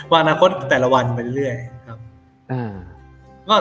อนาคตแต่ละวันไปเรื่อยนะครับ